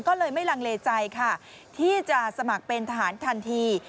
ก็เลยไม่ลังเลใจค่ะที่จะสมัครเป็นทหารทันที